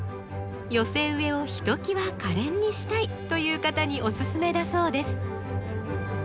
寄せ植えをひときわ可憐にしたいという方におすすめだそうです。